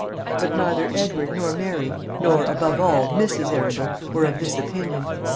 But neither Edward nor Mary nor, above all, Mrs. Arundel were of this opinion.